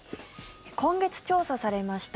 今月調査されました